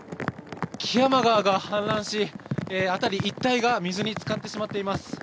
木山川が氾濫し、辺り一帯が水に浸かってしまっています。